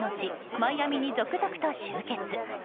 マイアミに続々と集結。